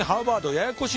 ややこしいです。